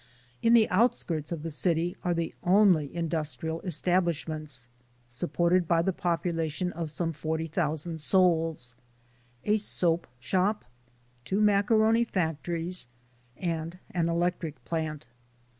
In the outskirts of the city are the only industrial establishments, supported by the population of some 40,000 souls; a soap shop, two macaroni factor ies, and an electric plant.